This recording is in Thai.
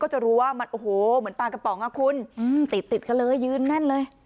จะรู้ว่ามันโอ้โหเหมือนปลากระป๋องอ่ะคุณติดติดกันเลยยืนแน่นเลย